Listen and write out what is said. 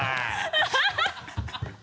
ハハハ